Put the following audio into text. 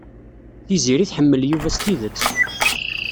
Tiziri tḥemmel Yuba s tidet.